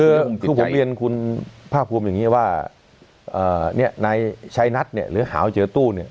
คือผมเรียนคุณภาพควมอย่างนี้ว่านายใช้นัดหรือหาว่าเจอตู้เนี่ย